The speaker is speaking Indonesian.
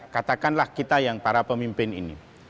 katakanlah kita yang para pemimpin ini